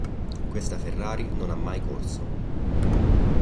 Questa Ferrari non ha mai corso.